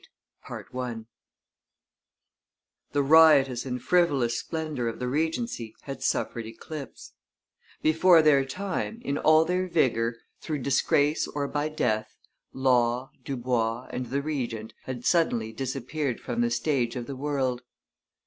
110] The riotous and frivolous splendor of the Regency had suffered eclipse; before their time, in all their vigor, through disgrace or by death, Law, Dubois, and the Regent, had suddenly disappeared from the stage of the world.